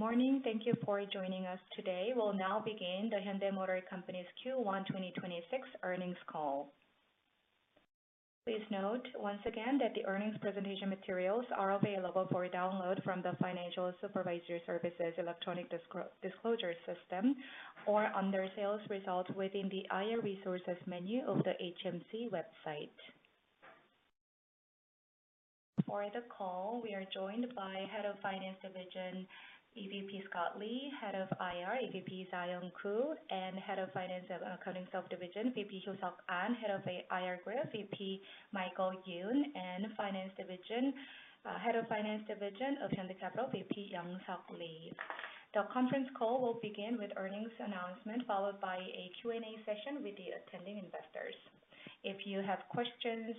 Good morning. Thank you for joining us today. We'll now begin the Hyundai Motor Company's Q1 2026 earnings call. Please note once again that the earnings presentation materials are available for download from the Financial Supervisory Service's Electronic Disclosure System or under Sales Results within the IR Resources menu of the HMC website. For the call, we are joined by Head of Finance Division, EVP Scott Lee, Head of IR, EVP Zayong Koo, and Head of Finance, Accounting Sub-Division, VP Hyosok Han, Head of IR Group, VP Michael Yoon, and Finance Division, Head of Finance Division of Hyundai Capital, VP Hyung-Seok Lee. The conference call will begin with earnings announcement, followed by a Q&A session with the attending investors. If you have questions,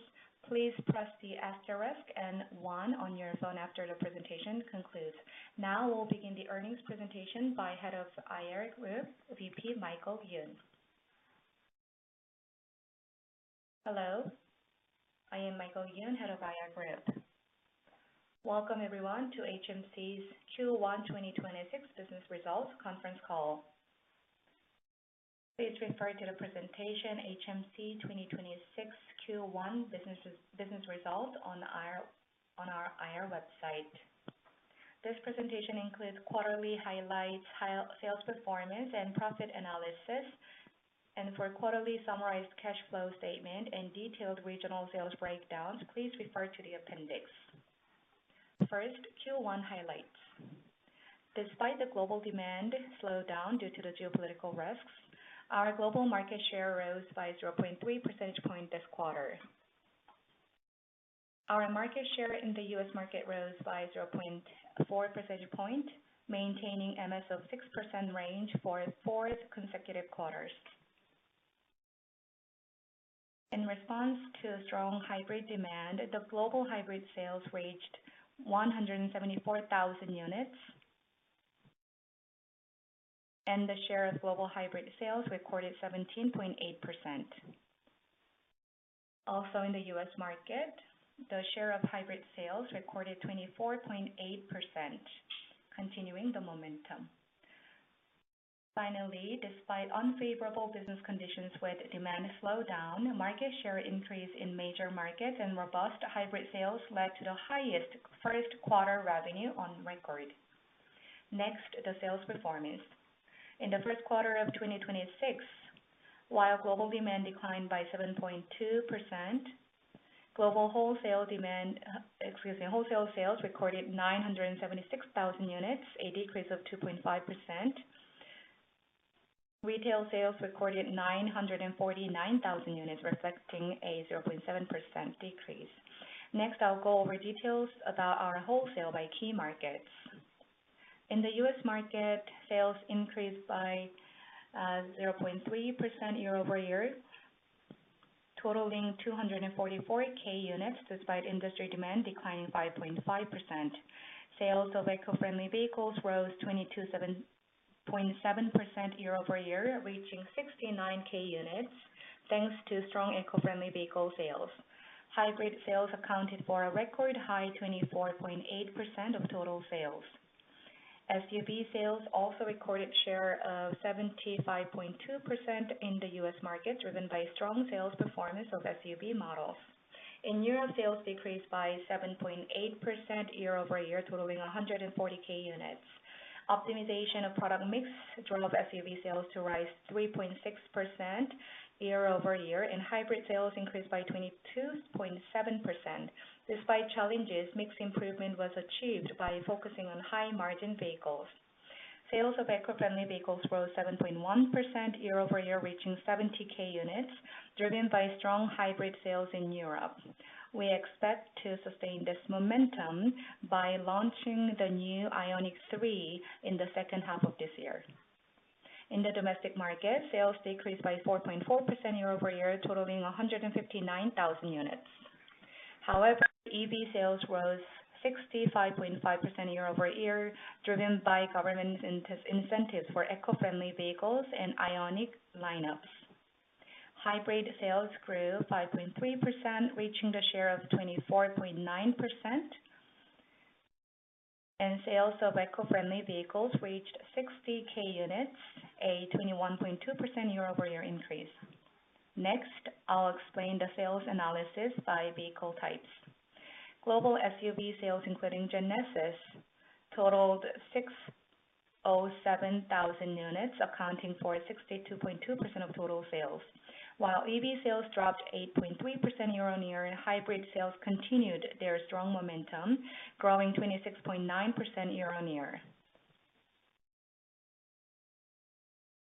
please press the asterisk and one on your phone after the presentation concludes. Now, we'll begin the earnings presentation by Head of IR Group, VP Michael Yoon. Hello, I am Michael Yoon, Head of IR Group. Welcome everyone to HMC's Q1 2026 business results conference call. Please refer to the presentation HMC 2026 Q1 Business Results on our IR website. This presentation includes quarterly highlights, sales performance and profit analysis. For quarterly summarized cash flow statement and detailed regional sales breakdowns, please refer to the appendix. First, Q1 highlights. Despite the global demand slowdown due to the geopolitical risks, our global market share rose by 0.3 percentage point this quarter. Our market share in the U.S. market rose by 0.4 percentage point, maintaining MS of 6% range for fourth consecutive quarters. In response to strong hybrid demand, the global hybrid sales reached 174,000 units. The share of global hybrid sales recorded 17.8%. Also, in the U.S. market, the share of hybrid sales recorded 24.8%, continuing the momentum. Finally, despite unfavorable business conditions with demand slowdown, market share increase in major markets and robust hybrid sales led to the highest first quarter revenue on record. Next, the sales performance. In the first quarter of 2026, while global demand declined by 7.2%, global wholesale sales recorded 976,000 units, a decrease of 2.5%. Retail sales recorded 949,000 units, reflecting a 0.7% decrease. Next, I'll go over details about our wholesale by key markets. In the U.S. market, sales increased by 0.3% year-over-year, totaling 244K units, despite industry demand declining 5.5%. Sales of eco-friendly vehicles rose 27.7% year-over-year, reaching 69,000 units, thanks to strong eco-friendly vehicle sales. Hybrid sales accounted for a record high 24.8% of total sales. SUV sales also recorded share of 75.2% in the U.S. market, driven by strong sales performance of SUV models. In Europe, sales decreased by 7.8% year-over-year, totaling 140,000 units. Optimization of product mix drove SUV sales to rise 3.6% year-over-year, and hybrid sales increased by 27.7%. Despite challenges, mix improvement was achieved by focusing on high-margin vehicles. Sales of eco-friendly vehicles rose 7.1% year-over-year, reaching 70,000 units, driven by strong hybrid sales in Europe. We expect to sustain this momentum by launching the new IONIQ 3 in the second half of this year. In the domestic market, sales decreased by 4.4% year-over-year, totaling 159,000 units. However, EV sales rose 65.5% year-over-year, driven by government incentives for eco-friendly vehicles and IONIQ lineups. Hybrid sales grew 5.3%, reaching the share of 24.9%. Sales of eco-friendly vehicles reached 60,000 units, a 21.2% year-over-year increase. Next, I'll explain the sales analysis by vehicle types. Global SUV sales, including Genesis, totaled 607,000 units, accounting for 62.2% of total sales. While EV sales dropped 8.3% year-over-year, and hybrid sales continued their strong momentum, growing 26.9% year-over-year.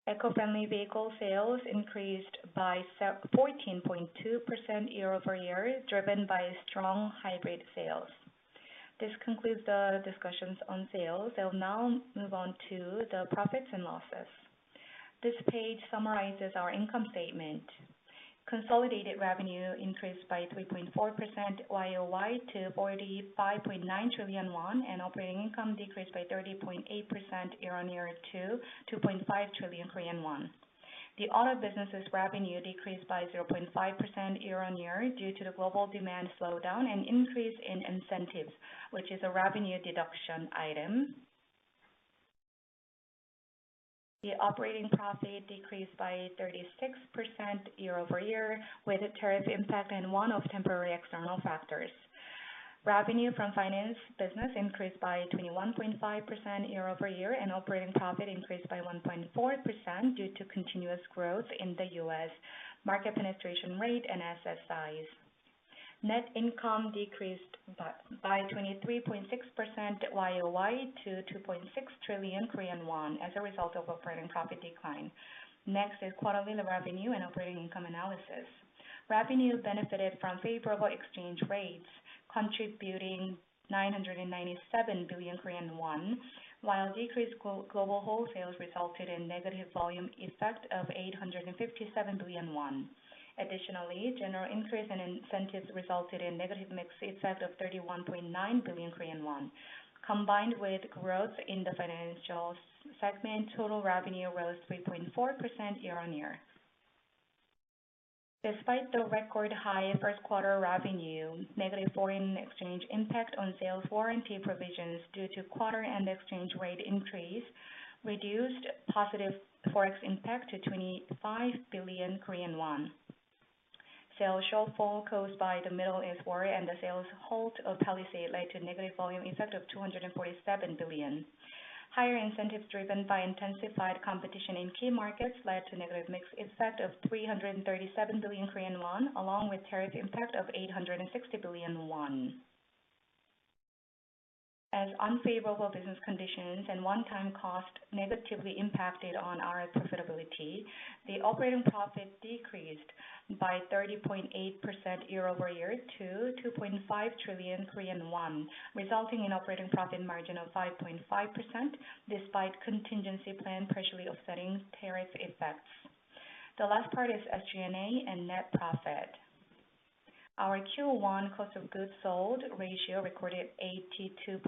Eco-friendly vehicle sales increased by 14.2% year-over-year, driven by strong hybrid sales. This concludes the discussions on sales. I will now move on to the profits and losses. This page summarizes our income statement. Consolidated revenue increased by 3.4% Y-o-Y to 45.9 trillion won, and operating income decreased by 30.8% year-over-year to 2.5 trillion Korean won. The auto business's revenue decreased by 0.5% year-over-year due to the global demand slowdown and increase in incentives, which is a revenue deduction item. The operating profit decreased by 36% year-over-year, with a tariff impact and one-off temporary external factors. Revenue from finance business increased by 21.5% year-over-year, and operating profit increased by 1.4% due to continuous growth in the U.S. market penetration rate and asset size. Net income decreased by 23.6% Y-o-Y to 2.6 trillion Korean won as a result of operating profit decline. Next is quarterly revenue and operating income analysis. Revenue benefited from favorable exchange rates, contributing 997 billion Korean won, while decreased global wholesales resulted in negative volume effect of 857 billion won. Additionally, general increase in incentives resulted in negative mix effect of 31.9 billion Korean won. Combined with growth in the Financial segment, total revenue rose 3.4% year-over-year. Despite the record high first quarter revenue, negative foreign exchange impact on sales warranty provisions due to quarter end exchange rate increase reduced positive Forex impact to 25 billion Korean won. Sales shortfall caused by the Middle East war and the sales halt of Palisade led to negative volume effect of 247 billion. Higher incentives driven by intensified competition in key markets led to negative mix effect of 337 billion Korean won, along with tariff impact of 860 billion won. Unfavorable business conditions and one-time cost negatively impacted our profitability, so the operating profit decreased by 30.8% year-over-year to 2.5 trillion Korean won, resulting in operating profit margin of 5.5%, despite contingency plan partially offsetting tariff effects. The last part is SG&A and net profit. Our Q1 cost of goods sold ratio recorded 82.5%,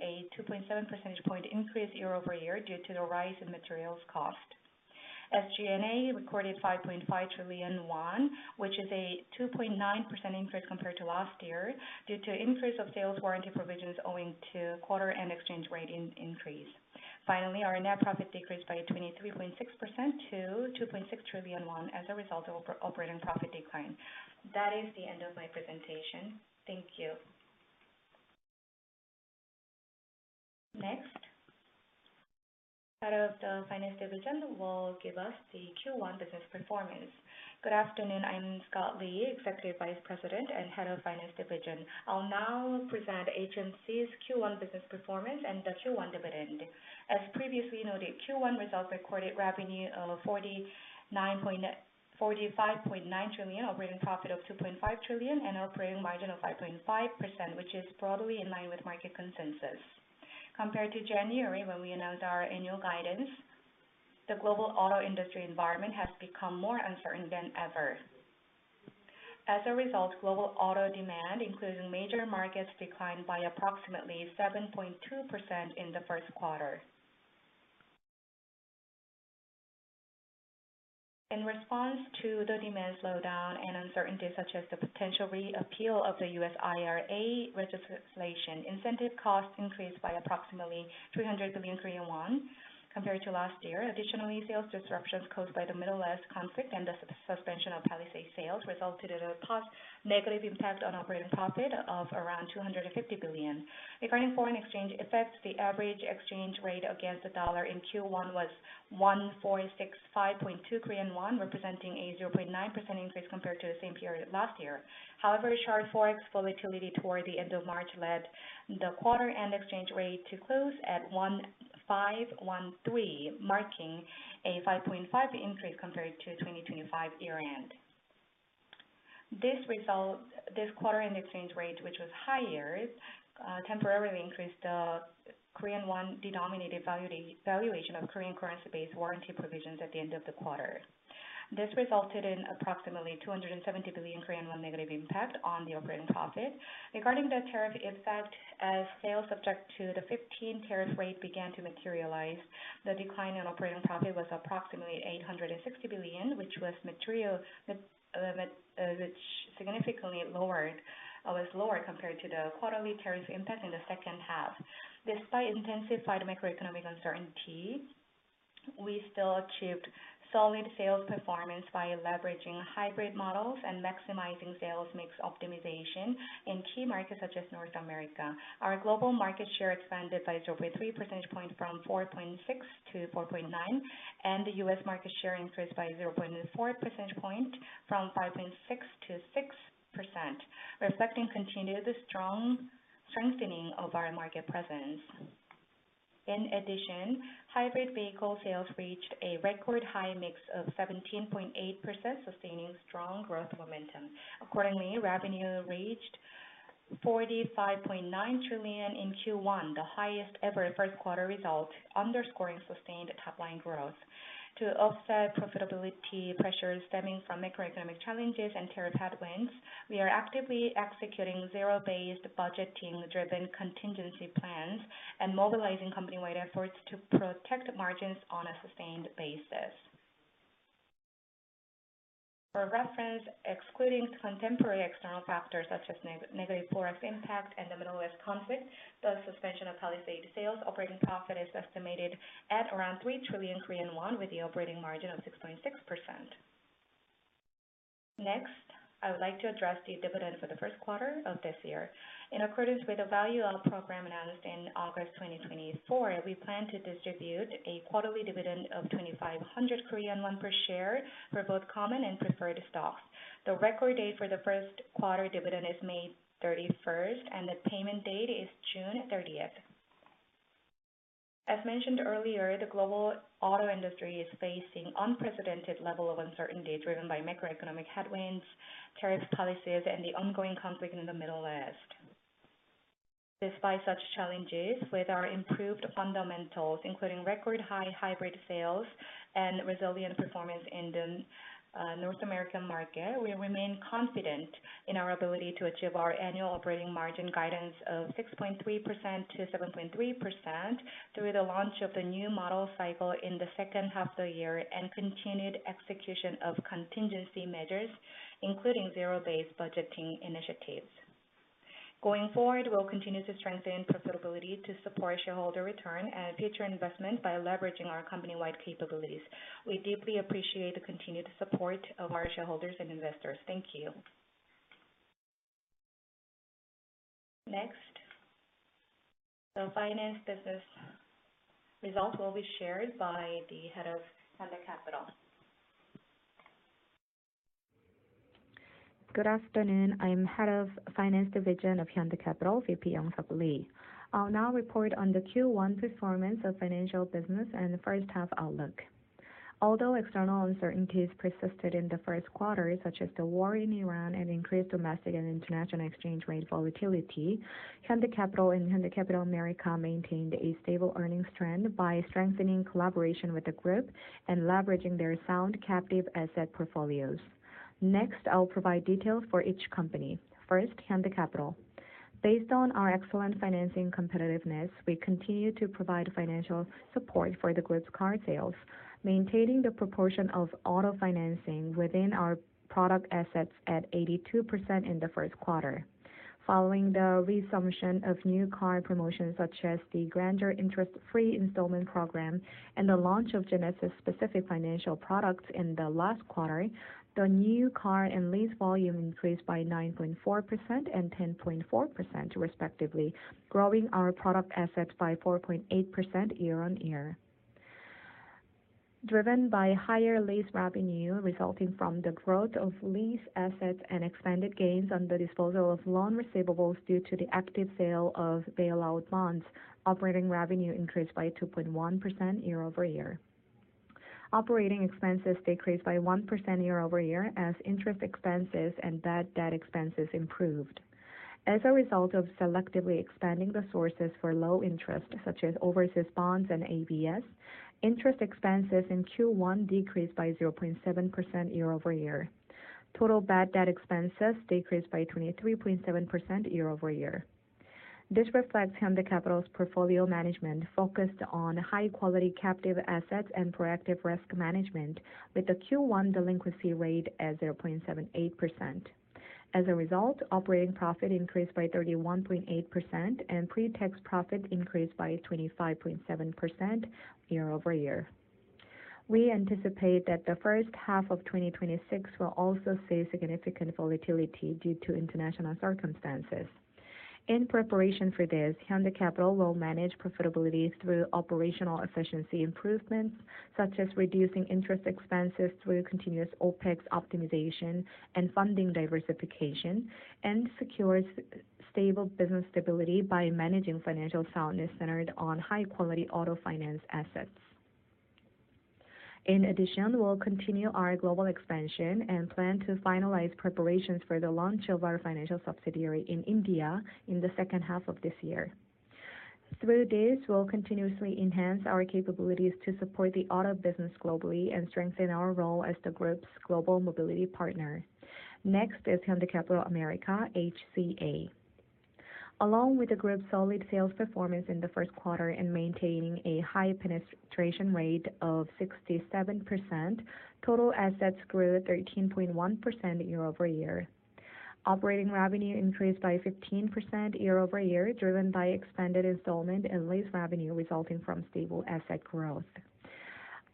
a 2.7 percentage point increase year-over-year due to the rise in materials cost. SG&A recorded 5.5 trillion won, which is a 2.9% increase compared to last year due to increase of sales warranty provisions owing to quarter end exchange rate increase. Finally, our net profit decreased by 23.6% to 2.6 trillion won as a result of operating profit decline. That is the end of my presentation. Thank you. Next, Head of the Finance Division will give us the Q1 business performance. Good afternoon, I'm Scott Lee, Executive Vice President and Head of Finance Division. I'll now present HMC's Q1 business performance and the Q1 dividend. As previously noted, Q1 results recorded revenue of 49 point... 45.9 trillion, operating profit of 2.5 trillion, and operating margin of 5.5%, which is broadly in line with market consensus. Compared to January, when we announced our annual guidance, the global auto industry environment has become more uncertain than ever. As a result, global auto demand, including major markets, declined by approximately 7.2% in the first quarter. In response to the demand slowdown and uncertainty, such as the potential repeal of the U.S. IRA legislation, incentive costs increased by approximately 200 billion Korean won compared to last year. Additionally, sales disruptions caused by the Middle East conflict and the suspension of Palisade sales resulted in a negative impact on operating profit of around 250 billion. Regarding foreign exchange effects, the average exchange rate against the dollar in Q1 was 1,465.2 Korean won, representing a 0.9% increase compared to the same period last year. However, sharp Forex volatility toward the end of March led the quarter-end exchange rate to close at 1,513, marking a 5.5% increase compared to 2023 year-end. This quarter-end exchange rate, which was higher, temporarily increased the Korean won-denominated valuation of Korean currency-based warranty provisions at the end of the quarter. This resulted in approximately 270 billion Korean won negative impact on the operating profit. Regarding the tariff effect, as sales subject to the 15% tariff rate began to materialize, the decline in operating profit was approximately 860 billion, which was material, which was significantly lower compared to the quarterly tariff impact in the second half. Despite intensified macroeconomic uncertainty, we still achieved solid sales performance by leveraging hybrid models and maximizing sales mix optimization in key markets such as North America. Our global market share expanded by 0.3 percentage point from 4.6%-4.9%, and the U.S. market share increased by 0.4 percentage point from 5.6%-6%, reflecting continued strong strengthening of our market presence. In addition, hybrid vehicle sales reached a record high mix of 17.8%, sustaining strong growth momentum. Accordingly, revenue reached 45.9 trillion in Q1, the highest ever first quarter result, underscoring sustained top line growth. To offset profitability pressures stemming from macroeconomic challenges and tariff headwinds, we are actively executing zero-based budgeting-driven contingency plans and mobilizing company-wide efforts to protect margins on a sustained basis. For reference, excluding contemporary external factors such as negative forex impact and the Middle East conflict, the suspension of Palisade sales, operating profit is estimated at around 3 trillion Korean won, with the operating margin of 6.6%. Next, I would like to address the dividend for the first quarter of this year. In accordance with the value program announced in August 2024, we plan to distribute a quarterly dividend of 2,500 Korean won per share for both common and preferred stocks. The record date for the first quarter dividend is May 31st, and the payment date is June 30th. As mentioned earlier, the global auto industry is facing unprecedented level of uncertainty driven by macroeconomic headwinds, tariff policies, and the ongoing conflict in the Middle East. Despite such challenges, with our improved fundamentals, including record high hybrid sales and resilient performance in the North American market, we remain confident in our ability to achieve our annual operating margin guidance of 6.3%-7.3% through the launch of the new model cycle in the second half of the year and continued execution of contingency measures, including zero-based budgeting initiatives. Going forward, we'll continue to strengthen profitability to support shareholder return and future investment by leveraging our company-wide capabilities. We deeply appreciate the continued support of our shareholders and investors. Thank you. Next, the finance business results will be shared by the Head of Hyundai Capital. Good afternoon. I'm Head of Finance Division of Hyundai Capital, VP Hyung-Seok Lee. I'll now report on the Q1 performance of financial business and first half outlook. Although external uncertainties persisted in the first quarter, such as the war in Iran and increased domestic and international exchange rate volatility, Hyundai Capital and Hyundai Capital America maintained a stable earnings trend by strengthening collaboration with the group and leveraging their sound captive asset portfolios. Next, I'll provide details for each company. First, Hyundai Capital. Based on our excellent financing competitiveness, we continue to provide financial support for the group's car sales, maintaining the proportion of auto financing within our product assets at 82% in the first quarter. Following the resumption of new car promotions, such as the Grandeur interest-free installment program and the launch of Genesis specific financial products in the last quarter, the new car and lease volume increased by 9.4% and 10.4%, respectively, growing our product assets by 4.8% year-over-year. Driven by higher lease revenue resulting from the growth of lease assets and expanded gains on the disposal of loan receivables due to the active sale of bailout loans, operating revenue increased by 2.1% year-over-year. Operating expenses decreased by 1% year-over-year as interest expenses and bad debt expenses improved. As a result of selectively expanding the sources for low interest, such as overseas bonds and ABS, interest expenses in Q1 decreased by 0.7% year-over-year. Total bad debt expenses decreased by 23.7% year-over-year. This reflects Hyundai Capital's portfolio management focused on high quality captive assets and proactive risk management with the Q1 delinquency rate at 0.78%. As a result, operating profit increased by 31.8% and pre-tax profit increased by 25.7% year-over-year. We anticipate that the first half of 2026 will also see significant volatility due to international circumstances. In preparation for this, Hyundai Capital will manage profitability through operational efficiency improvements, such as reducing interest expenses through continuous OpEx optimization and funding diversification, and secure stable business stability by managing financial soundness centered on high quality auto finance assets. In addition, we'll continue our global expansion and plan to finalize preparations for the launch of our financial subsidiary in India in the second half of this year. Through this, we'll continuously enhance our capabilities to support the auto business globally and strengthen our role as the group's global mobility partner. Next is Hyundai Capital America, HCA. Along with the group's solid sales performance in the first quarter and maintaining a high penetration rate of 67%, total assets grew 13.1% year-over-year. Operating revenue increased by 15% year-over-year, driven by expanded installment and lease revenue resulting from stable asset growth.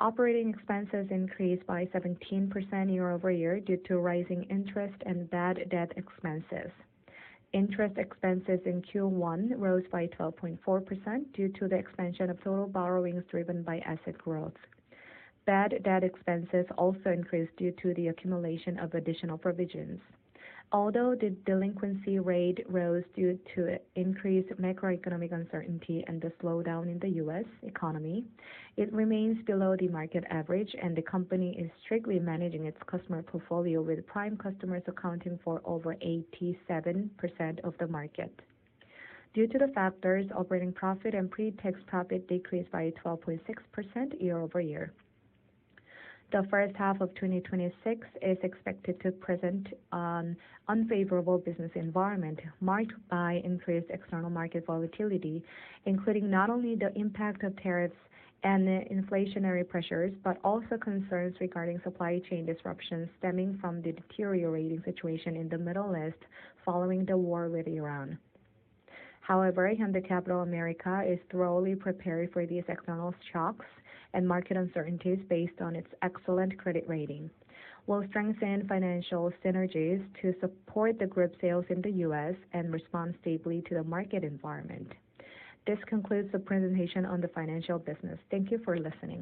Operating expenses increased by 17% year-over-year due to rising interest and bad debt expenses. Interest expenses in Q1 rose by 12.4% due to the expansion of total borrowings driven by asset growth. Bad debt expenses also increased due to the accumulation of additional provisions. Although the delinquency rate rose due to increased macroeconomic uncertainty and the slowdown in the U.S. economy, it remains below the market average, and the company is strictly managing its customer portfolio, with prime customers accounting for over 87% of the market. Due to the factors, operating profit and pre-tax profit decreased by 12.6% year-over-year. The first half of 2026 is expected to present an unfavorable business environment marked by increased external market volatility, including not only the impact of tariffs and inflationary pressures, but also concerns regarding supply chain disruptions stemming from the deteriorating situation in the Middle East following the war with Iran. However, Hyundai Capital America is thoroughly prepared for these external shocks and market uncertainties based on its excellent credit rating, and will strengthen financial synergies to support the group sales in the U.S. and respond safely to the market environment. This concludes the presentation on the financial business. Thank you for listening.